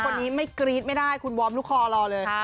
คนนี้ไม่กรี๊ดไม่ได้คุณวอร์มลูกคอรอเลย